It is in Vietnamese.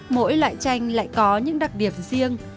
mỗi loại tranh lại có những đặc biệt riêng